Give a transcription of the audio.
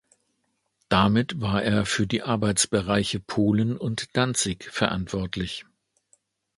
Damit war er für die Arbeitsbereiche Polen und Danzig verantwortlich.